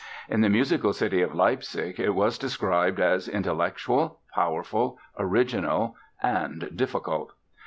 In the musical city of Leipzig it was described as "intellectual, powerful, original, and difficult."